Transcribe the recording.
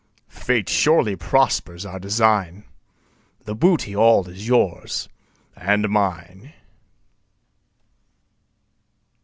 Fate surely prospers our design The booty all is yours and mine."